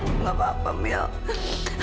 aku takut banget pas liat jasad kamu di rumah sakit mil